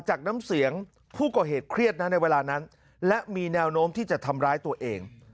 น้ำเสียงผู้ก่อเหตุเครียดนะในเวลานั้นและมีแนวโน้มที่จะทำร้ายตัวเอง